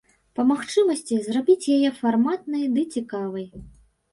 Па магчымасці, зрабіць яе фарматнай ды цікавай.